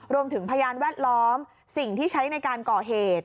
พยานแวดล้อมสิ่งที่ใช้ในการก่อเหตุ